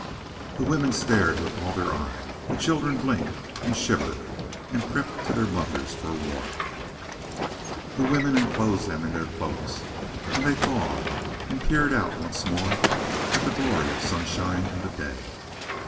The women stared with all their eyes. The children blinked, and shivered, and crept to their mothers for warmth. The women enclosed them in their cloaks, and they thawed and peered out once more at the glory of sunshine and the day.